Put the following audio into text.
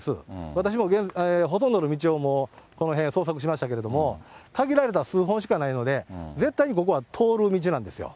私もほとんどの道をもう、この辺、捜索しましたけれども、限られた数本しかないので、絶対にここは通る道なんですよ。